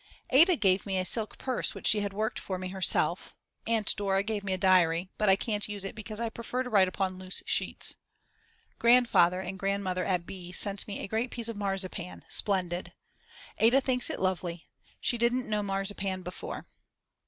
Ada gave me a silk purse which she had worked for me herself. Aunt Dora gave me a diary, but I can't use it because I prefer to write upon loose sheets. Grandfather and Grandmother at B. sent me a great piece of marzipan, splendid. Ada thinks it lovely; she didn't know marzipan before.